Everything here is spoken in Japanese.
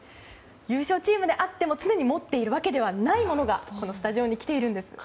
優勝チームであっても、常に持っているわけではないものがこのスタジオに来ています。